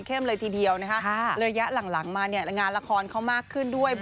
ก็บอลลีนไทยที่ผ่านมาเป็นไงบ้างเอ๋ยครับ